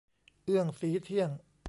เอื้องศรีเที่ยง